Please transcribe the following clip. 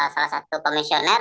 salah satu komisioner